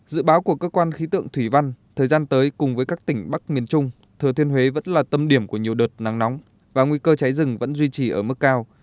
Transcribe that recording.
dự báo của cơ quan khí tượng thủy văn thời gian tới cùng với các tỉnh bắc miền trung thừa thiên huế vẫn là tâm điểm của nhiều đợt nắng nóng và nguy cơ cháy rừng vẫn duy trì ở mức cao